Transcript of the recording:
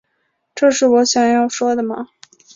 这是我想要说的吗